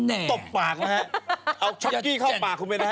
แต่บางเรื่องมันเป็นเรื่องของเขา